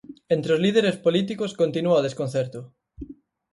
Entre os líderes políticos continúa o desconcerto.